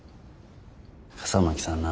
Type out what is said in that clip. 笠巻さんな